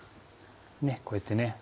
こうやってね。